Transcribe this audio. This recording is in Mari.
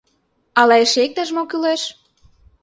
— Ала эше иктаж-мо кӱлеш?